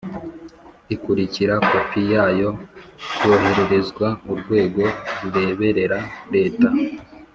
ikurikira Kopi yayo yohererezwa urwego rureberera leta